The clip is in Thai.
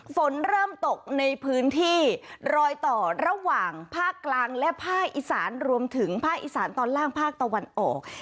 ฝนเริ่มตกในพื้นที่รอยต่อระหว่างภาคกลางและภาคอีสานรวมถึงภาคอีสานตอนล่างภาคตะวันออก